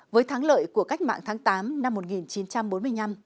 với thắng lợi của cách mạng tháng tám năm một nghìn chín trăm bốn mươi năm